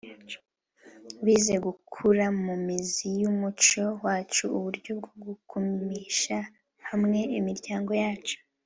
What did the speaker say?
bize gukura mu mizi y’umuco wacu uburyo bwo kugumisha hamwe imiryango yacu